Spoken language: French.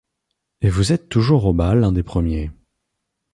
Et vous êtes toujours au bal un des premiers